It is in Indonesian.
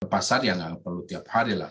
pasar ya nggak perlu tiap hari lah